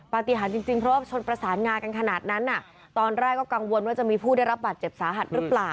ปฏิหารจริงเพราะว่าชนประสานงากันขนาดนั้นตอนแรกก็กังวลว่าจะมีผู้ได้รับบาดเจ็บสาหัสหรือเปล่า